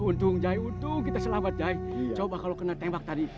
untuk jayu tuh kita selamat jay coba kalau kena tembak tadi